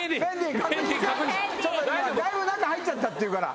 だいぶ中入っちゃったって言うから。